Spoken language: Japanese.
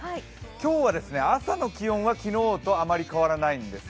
今日は朝の気温は昨日とあまり変わらないんです。